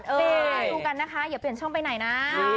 ไปดูกันนะคะอย่าเปลี่ยนช่องไปไหนนะ